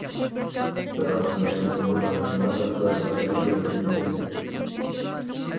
بىراق مەجنۇن ئۇلارنى پەقەتلا ياخشى كۆرمەيدىكەن.